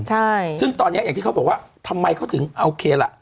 ใช่ซึ่งตอนนี้อย่างที่เขาบอกว่าทำไมเขาถึงโอเคล่ะ